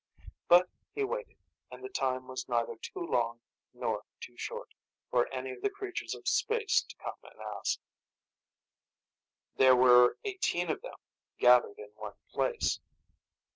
But he waited, and the time was neither too long nor too short, for any of the creatures of space to come and ask. There were eighteen of them, gathered in one place.